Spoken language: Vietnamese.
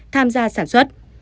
tham gia sản xuất